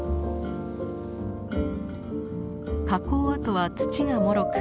火口跡は土がもろく